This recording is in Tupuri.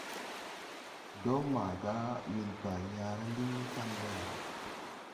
Dɔɔ maaga wel Baa yãã raa liŋ ni Pan ɓɛ ga.